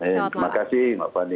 terima kasih mbak fani